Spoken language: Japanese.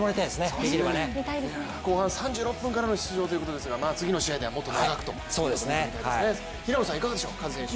後半３６分からの出場ということですが、次の試合ではもっと長く見てみたいですね。